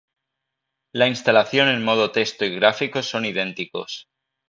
La instalación en modo texto y gráfico son idénticos